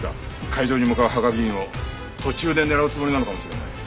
会場に向かう芳賀議員を途中で狙うつもりなのかもしれない。